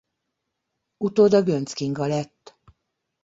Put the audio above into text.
Utóda Göncz Kinga lett.